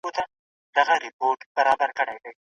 دورکهایم د ځان وژنې ډولونه وښودل.